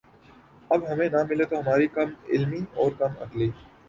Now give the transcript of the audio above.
اب ہمیں نہ ملے تو ہماری کم علمی اور کم عقلی